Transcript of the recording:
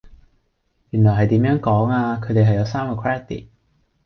原來係點樣講啊，佢哋係有三個 Credit